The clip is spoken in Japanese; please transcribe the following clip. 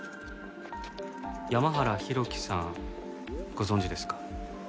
山原浩喜さんご存じですか？